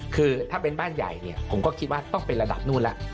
คือถ้าเป็นบ้านใหญ่เนี่ยผมก็คิดว่าต้องเป็นระดับนู่นแล้ว